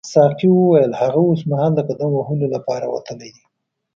ساقي وویل هغه اوسمهال د قدم وهلو لپاره وتلی دی.